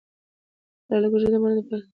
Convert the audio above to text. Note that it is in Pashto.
فلالوژي مانا د پوهي سره مینه درلودل دي.